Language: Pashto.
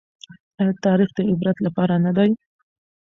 ايا تاريخ د عبرت لپاره نه دی؟